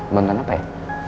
bantuan apa ya